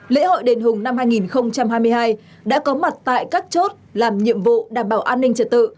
lễ hội đền hùng năm hai nghìn hai mươi hai đã có mặt tại các chốt làm nhiệm vụ đảm bảo an ninh trật tự